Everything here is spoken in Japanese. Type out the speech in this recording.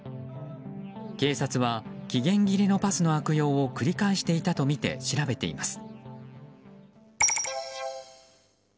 警察は期限切れのパスの悪用を繰り返していたとみて調べています。